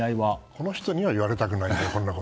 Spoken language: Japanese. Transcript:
この人には言われたくないですね。